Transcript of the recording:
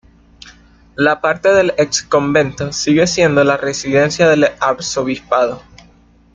La parte del exconvento sigue siendo la residencia del arzobispado.